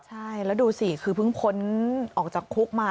ใช่แล้วดูสิคือเพิ่งพ้นออกจากคุกมา